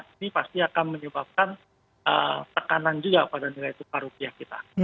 ini pasti akan menyebabkan tekanan juga pada nilai tukar rupiah kita